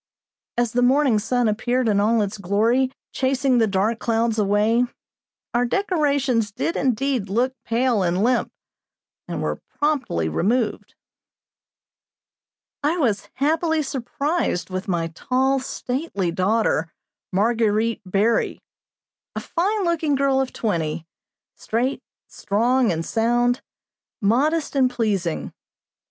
As the morning sun appeared in all its glory, chasing the dark clouds away, our decorations did indeed look pale and limp, and were promptly removed. I was happily surprised with my tall, stately daughter, Marguerite Berry. A fine looking girl of twenty, straight, strong, and sound, modest and pleasing.